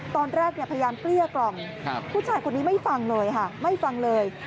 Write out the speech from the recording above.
ตอนแรกพยายามเกลี้ยกล่อมผู้ชายคนนี้ไม่ฟังเลยค่ะไม่ฟังเลย